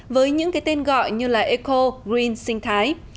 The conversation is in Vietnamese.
với những cái tên gọi như là eco green sinh thái